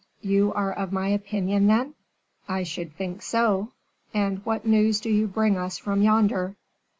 "You are of my opinion, then?" "I should think so! And what news do you bring us from yonder?"